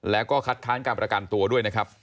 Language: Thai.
แล้วก็คัดค้านการประกันตัวด้วยนะครับ